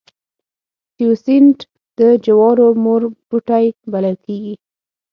تیوسینټ د جوارو مور بوټی بلل کېږي